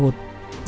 để trả nợ